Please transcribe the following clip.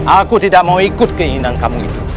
aku tidak mau ikut keinginan kamu itu